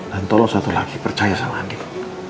dan tolong satu lagi percaya sama andien